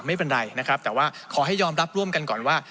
ไม่เป็นไรนะครับแต่ว่าขอให้ยอมรับร่วมกันก่อนว่า